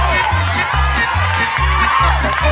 แทบแทบแทบ